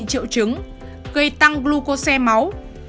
như rượu trứng gây tăng glucose máu